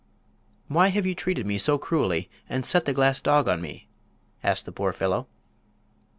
"Why have you treated me so cruelly and set the glass dog on me?" asked the poor fellow.